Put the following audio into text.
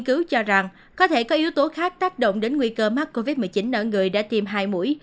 các yếu tố khác tác động đến nguy cơ mắc covid một mươi chín nở người đã tiêm hai mũi